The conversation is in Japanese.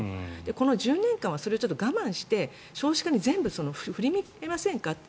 この１０年間はそれを我慢して少子化に全部振り向けませんかと。